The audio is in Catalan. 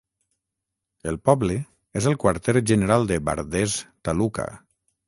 El poble és el quarter general de Bardez Taluka.